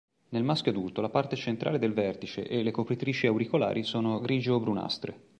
Nel maschio adulto, la parte centrale del vertice e le copritrici auricolari sono grigio-brunastre.